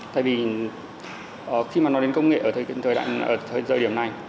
tại vì khi mà nói đến công nghệ ở thời điểm này